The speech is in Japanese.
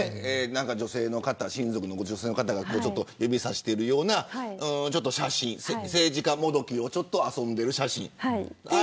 女性の方が指差しているような政治家もどきを遊んでいる写真。